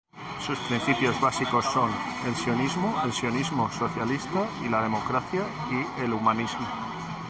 Sus principios básicos son: el sionismo, el sionismo socialista, la democracia y el humanismo.